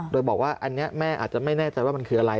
โดยบอกว่าอันนี้แม่อาจจะไม่แน่ใจว่ามันคืออะไร